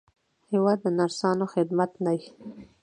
هېواد د نرسانو خدمت دی.